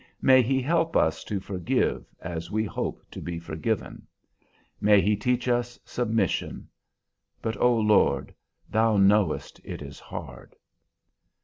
May He help us to forgive as we hope to be forgiven! May He teach us submission! But, O Lord! Thou knowest it is hard."